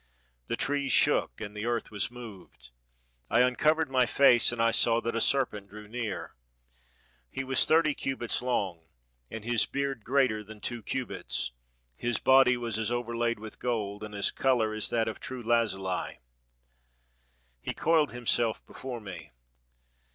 The trees shook, and the earth was moved. I uncovered my face, and I saw that a serpent drew near. He was thirty cubits long, and his beard greater than two cubits; his body was as overlaid with gold, and his color as that of true lazuli. He coiled himself before me.